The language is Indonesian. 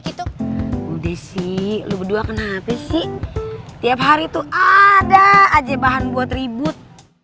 gitu udah sih lu berdua kenapa sih tiap hari tuh ada aja bahan buat ribut